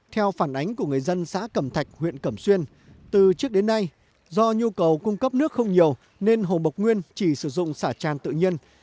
theo phản ánh của người dân xã cẩm thạch huyện cẩm xuyên từ trước đến nay do nhu cầu cung cấp nước không nhiều nên hồ bộc nguyên chỉ sử dụng xả tràn tự nhiên